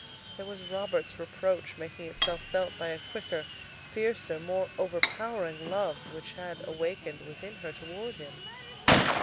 There was Robert's reproach making itself felt by a quicker, fiercer, more overpowering love, which had awakened within her toward him.